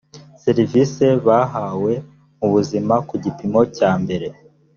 serivisi bahawa mu buzima ku gipimo cyambere